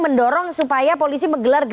mendorong supaya polisi